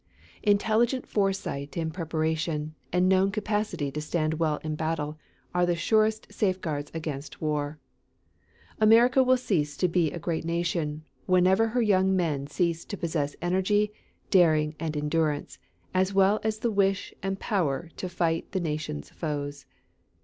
Intelligent foresight in preparation and known capacity to stand well in battle are the surest safeguards against war. America will cease to be a great nation whenever her young men cease to possess energy, daring, and endurance, as well as the wish and the power to fight the nation's foes.